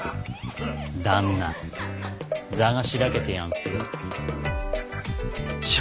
旦那座がしらけてやんすよ。